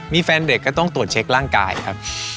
มีแฟนเด็กก็ต้องตรวจเช็คร่างกายครับ